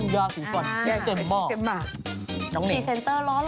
ยาสีฝั่นแช่เต็มมากน้องนิ้งหล่อน้องนิ้งพรีเซ็นเตอร์ล้อหล่อ